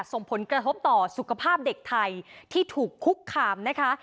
ส่งผลกระทบต่อสุขภาพเด็กไทยที่ถูกคุกคามนะคะ